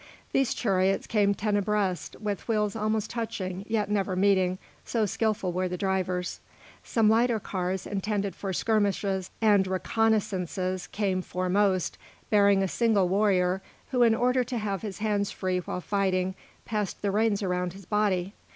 These chariots came ten abreast, with wheels almost touching yet never meeting, so skilful were the drivers. Some lighter cars, intended for skirmishes and reconnaissances came foremost, bearing a single warrior, who in order to have his hands free while fighting, passed the reins around his body.